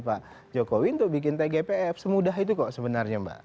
pak jokowi untuk bikin tgpf semudah itu kok sebenarnya mbak